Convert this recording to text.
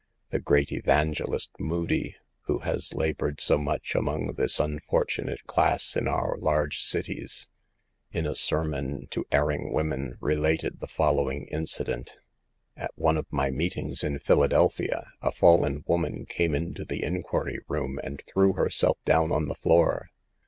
The great evangelist, Moody, who has la bored so much among this unfortunate class in our large cities, in a sermon to erring women, related the following incident : At one of my meetings in Philadelphia, a fallen woman came into the inquiry room and threw herself down on the floor.